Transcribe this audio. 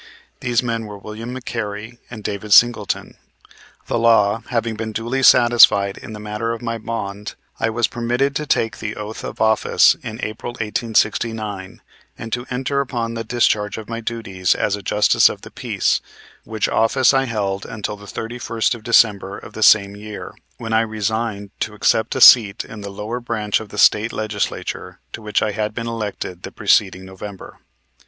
These men were William McCary and David Singleton. The law, having been duly satisfied in the matter of my bond, I was permitted to take the oath of office in April, 1869, and to enter upon the discharge of my duties as a Justice of the Peace, which office I held until the 31st of December of the same year when I resigned to accept a seat in the lower branch of the State Legislature to which I had been elected the preceding November.